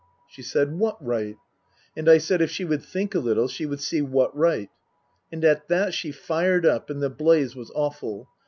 She said, " What right ?" And I said if she would think a little she would see what right. And at that she fired up and the blaze was awful.